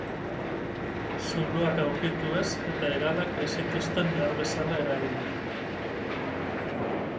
Zuloak aurkitu ez eta hegalak ez zituzten behar bezala erabili.